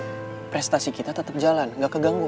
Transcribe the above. tapi prestasi kita tetap jalan gak keganggu